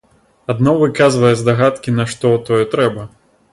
Адно выказвае здагадкі, нашто тое трэба.